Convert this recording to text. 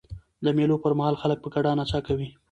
د مېلو پر مهال خلک په ګډه نڅا کوي.